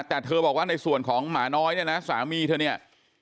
แต่เธอบอกว่าในส่วนของหมาน้อยเนี่ยนะสามีเธอเนี่ย